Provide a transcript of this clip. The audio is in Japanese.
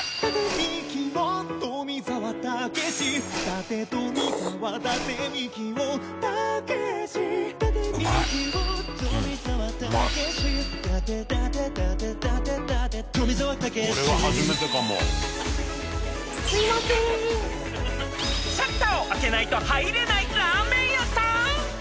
［シャッターを開けないと入れないラーメン屋さん！？］